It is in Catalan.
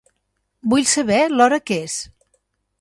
Vull saber l'hora que és.